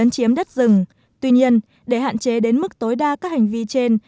chiếm đất rừng tuy nhiên để hạn chế đến mức tối đa các hành vi trên